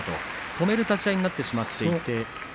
止める立ち合いになってしまっていた。